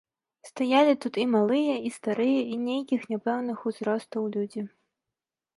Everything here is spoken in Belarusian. Стаялі тут і малыя, і старыя, і нейкіх няпэўных узростаў людзі.